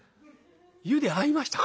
「湯で会いましたか？